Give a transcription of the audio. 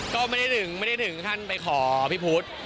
ก็ไม่ได้ถึงขั้นไปขอพี่พุทธ